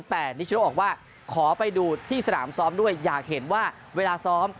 แต่นิชโนบอกว่าขอไปดูที่สนามซ้อมด้วยอยากเห็นว่าเวลาซ้อม